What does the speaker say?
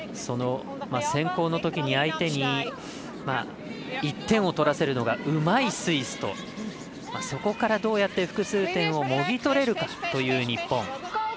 先攻のときに相手に１点を取らせるのがうまいスイスとそこから、どうやって複数点をもぎ取れるかという日本。